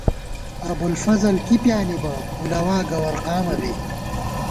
ابُوالفضل کی پیانِبہ ، پُلَوا گوَر قامہ بی